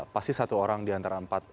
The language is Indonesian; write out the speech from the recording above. pasti satu orang di antara empat